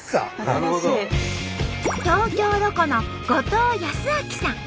東京ロコの後藤康彰さん。